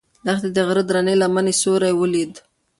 لښتې د غره د درنې لمنې سیوری ولید.